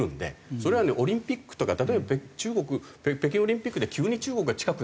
それはねオリンピックとか例えば中国北京オリンピックで急に中国が近くなってね